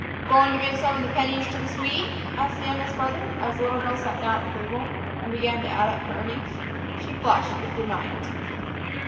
"Goin' to give some of them pennies to th' Swede?" asked the youngest brother as the little girl sat down at the table and began to add up her earnings. She flushed, but did not answer.